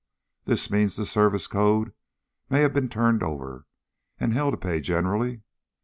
That means the Service code may have been turned over, and hell to pay generally.